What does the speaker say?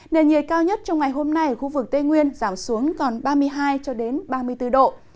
nền nhiệt cao nhất trong ngày hôm nay ở khu vực tây nguyên giảm xuống còn ba mươi hai cho đến ba mươi bốn độ